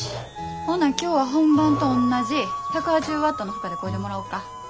ほな今日は本番とおんなじ１８０ワットの負荷でこいでもらおか。